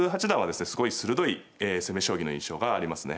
すごい鋭い攻め将棋の印象がありますね。